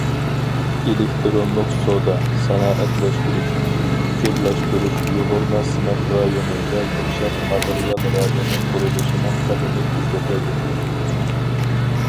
ئېلېكتىرونلۇق سودا، سانائەتلەشتۈرۈش، ئۇچۇرلاشتۇرۇش يۇغۇرما سىناق رايونى ۋە يۇمشاق ماتېرىيال رايونى قۇرۇلۇشىنىڭ قەدىمى تېزلىتىلدى.